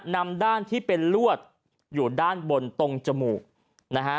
นำด้านที่เป็นลวดอยู่ด้านบนตรงจมูกนะฮะ